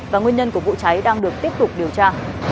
và nguyên nhân của vụ cháy đang được tiếp tục điều tra